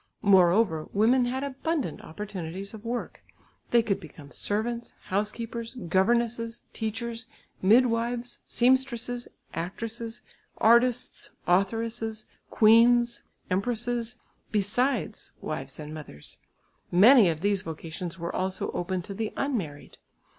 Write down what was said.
Moreover women had abundant opportunities of work; they could become servants, house keepers, governesses, teachers, midwives, seamstresses, actresses, artists, authoresses, queens, empresses, besides wives and mothers. Many of these vocations were also open to the unmarried.